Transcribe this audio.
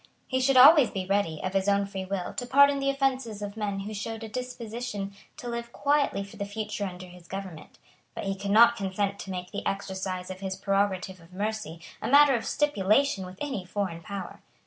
He should always be ready, of his own free will, to pardon the offences of men who showed a disposition to live quietly for the future under his government; but he could not consent to make the exercise of his prerogative of mercy a matter of stipulation with any foreign power.